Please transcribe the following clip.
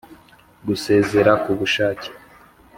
Gusezera k ubushake